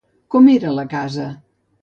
Com era la casa?